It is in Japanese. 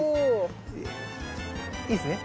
いいですね？